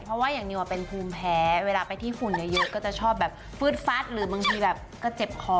เพราะว่าอย่างนิวเป็นภูมิแพ้เวลาไปที่ฝุ่นเยอะก็จะชอบแบบฟืดฟัดหรือบางทีแบบก็เจ็บคอ